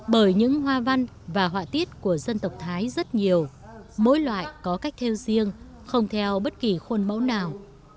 bởi những hoa văn và họa tiết của dân tộc thái rất nhiều mỗi loại có cách theo riêng không theo bất kỳ khuôn mẫu nào